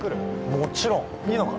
もちろんいいのか？